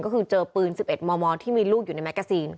ก็คือเจอปืน๑๑มมที่มีลูกอยู่ในแกซีน